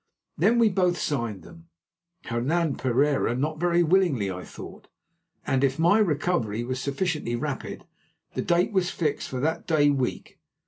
Then we both signed them, Hernan Pereira not very willingly, I thought; and if my recovery was sufficiently rapid, the date was fixed for that day week.